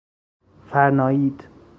فَرنایید